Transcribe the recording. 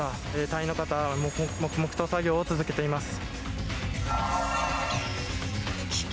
隊員の方黙々と作業を続けています。